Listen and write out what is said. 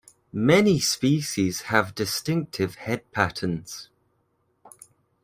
Many species have distinctive head patterns.